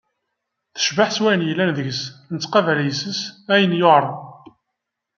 Tecbeḥ s wayen yellan deg-s, nettqabel yes-s ayen yuɛren.